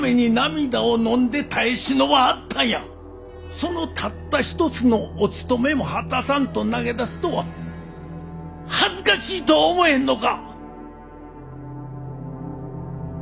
そのたった一つのおつとめも果たさんと投げ出すとは恥ずかしいとは思えへんのか！